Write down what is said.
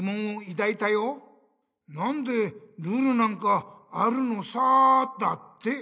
「なんでルールなんかあるのさ」だって。